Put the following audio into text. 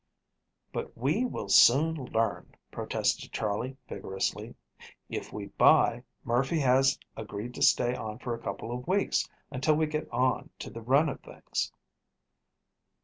"But we will soon learn," protested Charley vigorously. "If we buy, Murphy has agreed to stay on for a couple of weeks until we get on to the run of things."